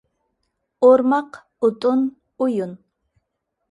ئورماق، ئوتۇن، ئويۇن.